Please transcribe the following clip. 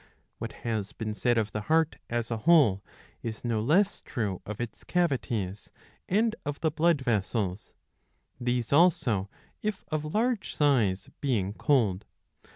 What has been said of the heart as a whole is no less true of its cavities and of the blood vessels ; these also if of large size being cold.